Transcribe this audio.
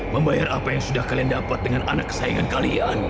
membayar apa yang sudah kalian dapat dengan anak kesayangan kalian